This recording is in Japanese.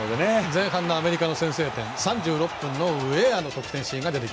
前半のアメリカの先制点３６分のウェアの得点シーン。